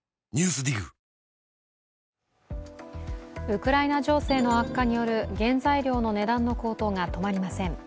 ウクライナ情勢の悪化による原材料の値段の高騰が止まりません。